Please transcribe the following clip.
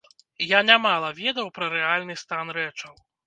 Я нямала ведаў пра рэальны стан рэчаў.